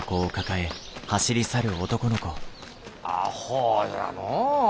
あほうじゃのう。